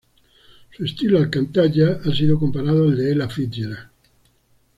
Su estilo al cantar jazz ha sido comparado al de Ella Fitzgerald.